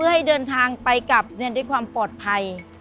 ให้เดินทางไปกลับด้วยความปลอดภัย